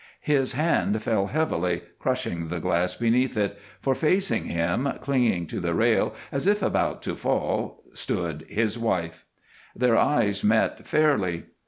His hand fell heavily, crushing the glass beneath it, for facing him, clinging to the rail as if about to fall, stood his wife. Their eyes met fairly.